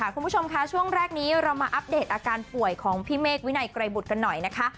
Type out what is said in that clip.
คุณผู้ชมคะช่วงแรกนี้เรามาอัปเดตอาการป่วยของพี่เมฆวินัยไกรบุตรกันหน่อยนะคะ